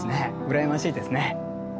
羨ましいですね。